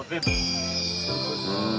うん。